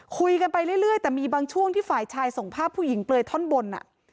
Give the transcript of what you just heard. คุยกันไปเรื่อยแต่มีบางช่วงที่ฝ่ายชายส่งภาพผู้หญิงเปลือยท่อนบน